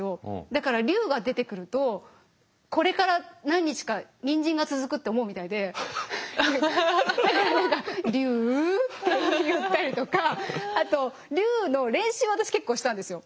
だから龍が出てくるとこれから何日かニンジンが続くって思うみたいでだから何か「龍？」って言ったりとかあと龍の練習を私結構したんですよ。